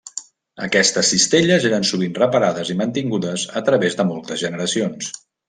Aquestes cistelles eren sovint reparades i mantingudes a través de moltes generacions.